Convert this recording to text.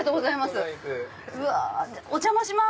お邪魔します。